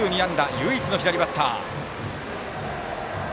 唯一の左バッター。